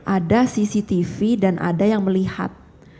ada cctv dan ada yang melihat